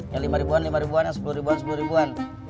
yang lima ribuan lima ribuan sepuluh ribuan sepuluh ribuan